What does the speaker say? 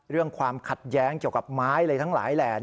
ความขัดแย้งเกี่ยวกับไม้อะไรทั้งหลายแหล่